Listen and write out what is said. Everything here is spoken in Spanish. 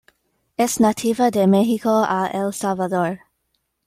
Es nativa de Mexico a El Salvador.